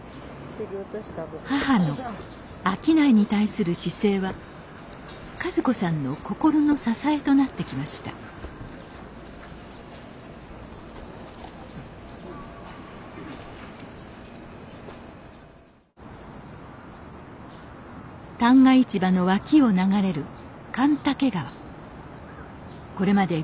母の商いに対する姿勢は和子さんの心の支えとなってきました旦過市場の脇を流れる神嶽川。